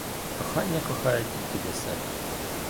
Кохання кохає тільки для себе.